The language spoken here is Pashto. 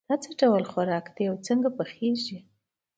دا څه ډول خوراک ده او څنګه پخیږي